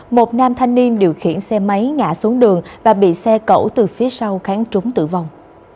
một nam thanh niên điều khiển xe máy ngã xuống đường và bị xe cẩu từ phía sau kháng trúng tử vong